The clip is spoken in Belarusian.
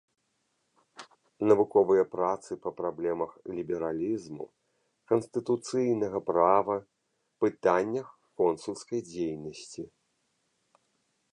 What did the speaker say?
Навуковыя працы па праблемах лібералізму, канстытуцыйнага права, пытаннях консульскай дзейнасці.